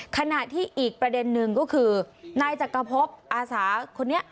ขณะที่อีกประเด็นนึงก็คือนายจักรพบอาสาคนนี้